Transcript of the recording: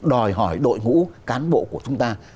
đòi hỏi đội ngũ cán bộ của chúng ta